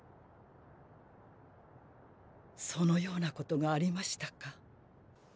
そのようなことがありましたか。